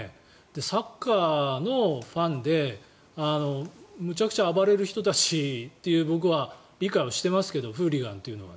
サッカーのファンでむちゃくちゃ暴れる人たちという僕は理解をしていますがフーリガンというのは。